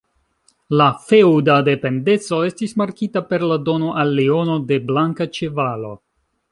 La feŭda dependeco estis markita per la dono al Leono de blanka ĉevalo.